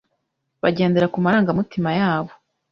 bagendera ku marangamutima yabo